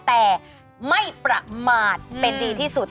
แต่ไม่ประมาทเป็นดีที่สุด